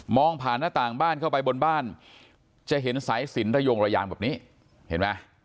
ผ่านหน้าต่างบ้านเข้าไปบนบ้านจะเห็นสายสินระยงระยางแบบนี้เห็นไหม